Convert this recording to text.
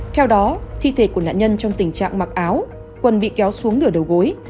theo đó thi thể của nạn nhân trong tình trạng mặc áo quần bị kéo xuống nửa đầu gối